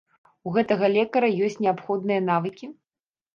У гэтага лекара ёсць неабходныя навыкі?